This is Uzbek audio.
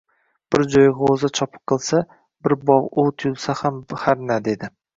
Bir joʼyak gʼoʼza chopiq qilsa, bir bogʼ oʼt yulsa ham harna, dedi.